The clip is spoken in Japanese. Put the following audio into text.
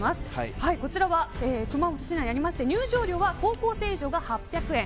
こちらは熊本市内にあって入場料は高校生以上が８００円